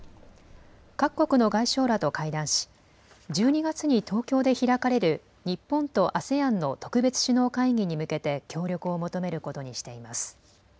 各国の外相らと会談し１２月に東京で開かれる日本とＡＳＥＡＮの特別首脳会議に向けて協力を求めることにしています。